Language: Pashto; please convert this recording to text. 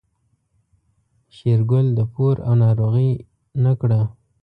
شېرګل د پور او ناروغۍ نه کړه.